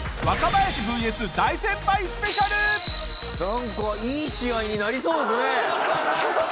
なんかいい試合になりそうですね！